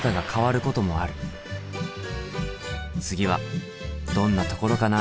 次はどんなところかな。